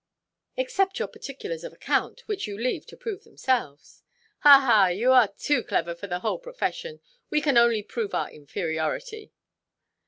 "Except your particulars of account, which you leave to prove themselves." "Ha, ha! You are too clever for the whole profession. We can only prove our inferiority."